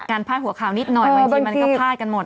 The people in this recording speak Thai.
พาดหัวข่าวนิดหน่อยบางทีมันก็พลาดกันหมด